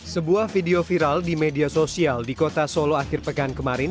sebuah video viral di media sosial di kota solo akhir pekan kemarin